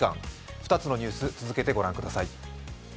２つのニュース、続けてご覧ください。